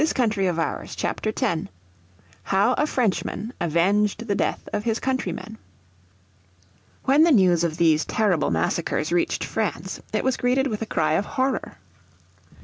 __________ Chapter 10 How a Frenchman Avenged the Death of His Countrymen When the news of these terrible massacres reached France it was greeted with a cry of horror.